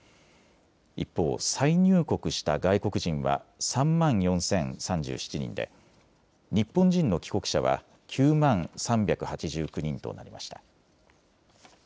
一方、再入国した外国人は３万４０３７人で日本人の帰国者は９万３８９人となりました。